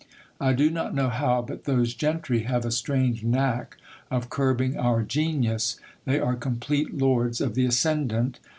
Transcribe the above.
I do not know how, but those gentry have a strange knack of curbing our genius ; they are complete lords of the ascendant.